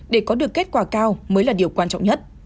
để có được kết quả cao mới là điều quan trọng nhất